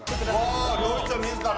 うわ料理長自ら？